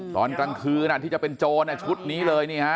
ตอนกลางคืนที่จะเป็นโจรชุดนี้เลย